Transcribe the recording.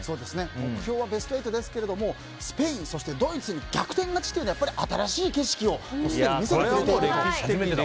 目標はベスト８ですがスペイン、ドイツに逆転勝ちというのは新しい景色をすでに見せてくれていると。